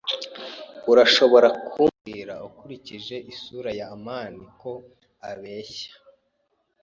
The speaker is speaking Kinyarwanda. Urashobora kubwira ukurikije isura ya amani ko abeshya.